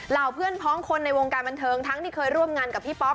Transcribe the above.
เหล่าเพื่อนพ้องคนในวงการบันเทิงทั้งที่เคยร่วมงานกับพี่ป๊อป